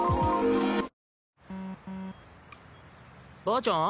ばあちゃん？